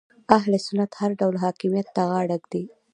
اهل سنت هر ډول حاکمیت ته غاړه ږدي